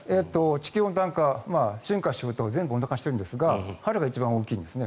地球温暖化、春夏秋冬全部温暖化してるんですが春が一番大きいんですね。